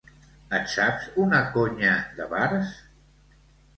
Et saps una conya de bars?